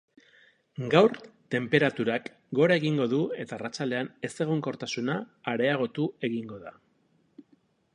Gaur tenperaturak gora egingo du eta arratsaldean ezegonkortasuna areagotu egingo da.